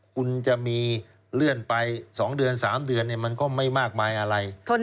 คุณจะมีเลื่อนไป๒เดือน๓เดือนมันก็ไม่มากมายอะไร